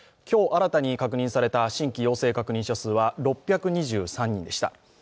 今日新たに確認された新規陽性確認者数は６２３人でした。